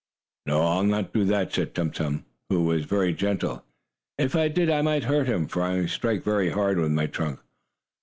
"No, I'll not do that," said Tum Tum, who was very gentle. "If I did, I might hurt him, for I strike very hard with my trunk.